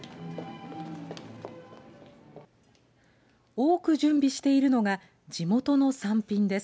多く準備しているのが地元の産品です。